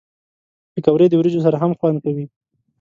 پکورې د وریجو سره هم خوند کوي